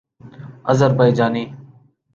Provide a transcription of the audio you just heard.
Azerbaijani